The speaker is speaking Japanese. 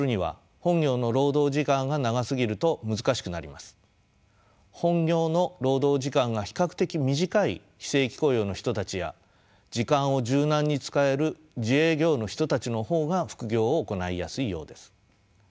本業の労働時間が比較的短い非正規雇用の人たちや時間を柔軟に使える自営業の人たちの方が副業を行いやすいようです。